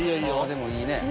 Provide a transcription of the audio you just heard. でもいいねえ。